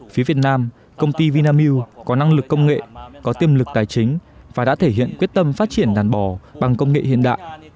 phía việt nam công ty vinamilk có năng lực công nghệ có tiềm lực tài chính và đã thể hiện quyết tâm phát triển đàn bò bằng công nghệ hiện đại